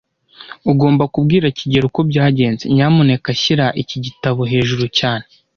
Ugomba kubwira kigeli uko byagenze. Nyamuneka shyira iki gitabo hejuru cyane.